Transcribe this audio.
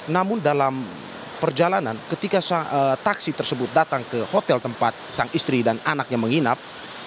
namun dalam perjalanan ketika taksi tersebut datang ke hotel tempat sang istri dan anaknya menginap